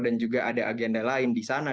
dan juga ada agenda lain di sana